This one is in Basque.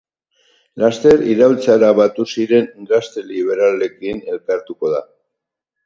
Laster, iraultzara batu ziren gazte liberalekin elkartuko da.